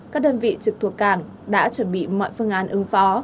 các đơn vị trực thuộc cảng đã chuẩn bị mọi phương án ứng phó